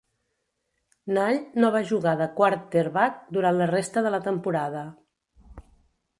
Nall no va jugar de quarterback durant la resta de la temporada.